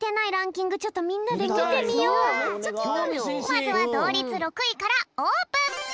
まずはどうりつ６いからオープン！